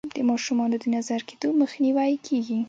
د ماشومانو د نظر کیدو مخنیوی کیږي.